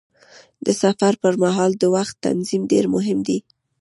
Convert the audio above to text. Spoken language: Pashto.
د سفر پر مهال د وخت تنظیم ډېر مهم دی.